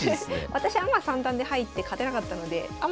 私アマ三段で入って勝てなかったのでアマ